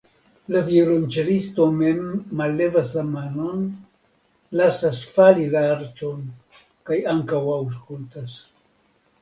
La violonĉelisto mem mallevas la manon, lasas fali la arĉon kaj ankaŭ aŭskultas.